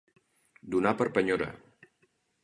Donar per penyora.